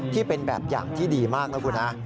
ที่เป็นแบบอย่างที่ดีมากนะคุณฮะ